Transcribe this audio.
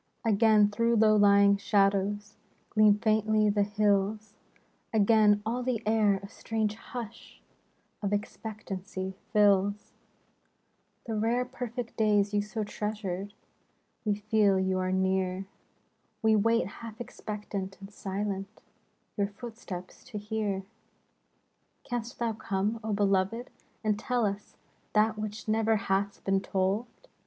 Again through low lying shadows Gleam faintly the hills, Again all the air a strange hush Of expectancy fills. 126 SINCE SEPTEMBER. The rare, perfect days you so treasured, We feel you are near, We wait, half expectant and silent, Your footsteps to hear. Canst thou come, O beloved ! and tell us That which ne'er hath been told